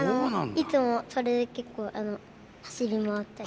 いつもそれで結構走り回ったり。